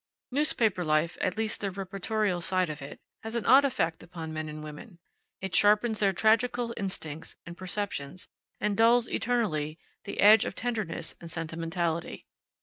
Newspaper life at least the reportorial side of it has an odd effect upon men and women; it sharpens their tragical instincts and perceptions and dulls eternally the edge of tenderness and sentimentality.